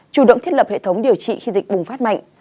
chủ động thiết lập hệ thống điều trị khi dịch bùng phát mạnh